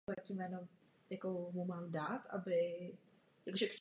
Používal moderní kompoziční techniky.